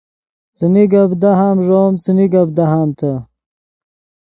څیمی گپ دہام ݱوم څیمی گپ دہامتے